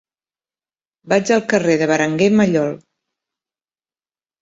Vaig al carrer de Berenguer Mallol.